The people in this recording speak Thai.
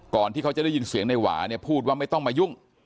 ที่เขาจะได้ยินเสียงในหวาเนี่ยพูดว่าไม่ต้องมายุ่ง